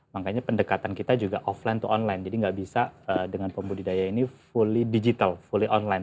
makanya pendekatan kita juga offline to online jadi nggak bisa dengan pembudidaya ini fully digital fully online